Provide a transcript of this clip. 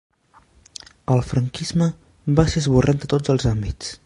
El franquisme va ser esborrat de tots els àmbits.